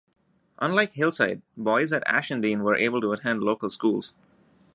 Unlike Hillside, boys at Ashendene were able to attend local schools.